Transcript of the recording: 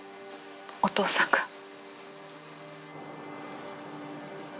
お父さんが。